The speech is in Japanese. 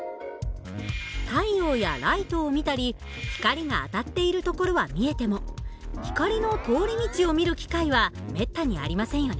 太陽やライトを見たり光が当たっているところは見えても光の通り道を見る機会はめったにありませんよね。